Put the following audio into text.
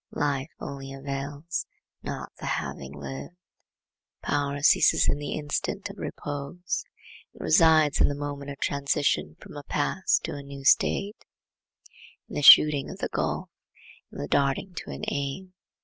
Life only avails, not the having lived. Power ceases in the instant of repose; it resides in the moment of transition from a past to a new state, in the shooting of the gulf, in the darting to an aim.